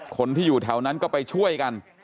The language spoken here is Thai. คนที่อยู่แถวนั้นก็ไปช่วยกัน